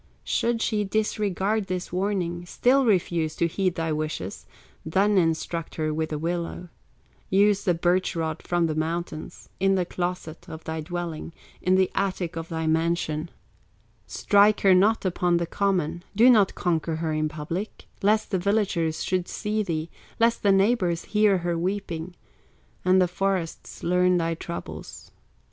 Should she disregard this warning, Still refuse to heed thy wishes, Then instruct her with the willow, Use the birch rod from the mountains In the closet of thy dwelling, In the attic of thy mansion; Strike, her not upon the common, Do not conquer her in public, Lest the villagers should see thee, Lest the neighbors hear her weeping, And the forests learn thy troubles.